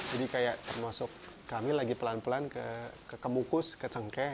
jadi kayak termasuk kami lagi pelan pelan ke kemukus ke cengkeh